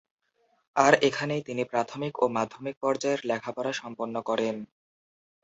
আর এখানেই তিনি প্রাথমিক ও মাধ্যমিক পর্যায়ের লেখাপড়া সম্পন্ন করেন।